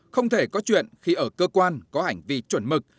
không thể có chuyện khi ở cơ quan có hành vi chuẩn mực